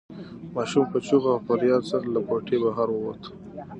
ماشوم په چیغو او فریاد سره له کوټې بهر ووت.